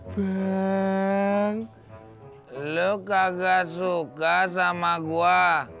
bang lu kagak suka sama gua